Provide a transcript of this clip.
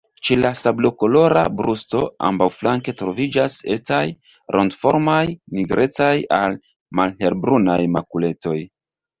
Ĉe la sablokolora brusto ambaŭflanke troviĝas etaj, rondoformaj nigrecaj al malhelbrunaj makuletoj.